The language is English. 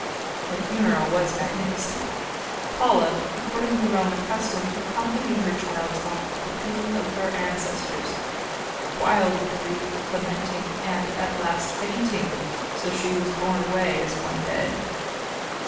Her funeral was magnificent. Paula, according to Roman custom, accompanied her child's body to the tomb of her ancestors, wild with grief, lamenting, and, at last, fainting, so that she was borne away as one dead.